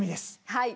はい。